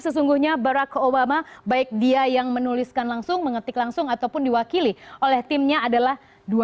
sesungguhnya barack obama baik dia yang menuliskan langsung mengetik langsung ataupun diwakili oleh timnya adalah dua belas tiga ratus lima puluh